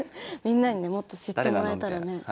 みんなにねもっと知ってもらえたらね。